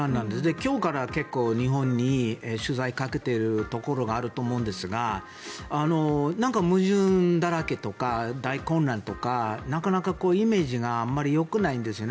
今日から結構日本に取材をかけているところがあると思うんですがなんか矛盾だらけとか大混乱とかなかなかイメージがあんまりよくないんですよね。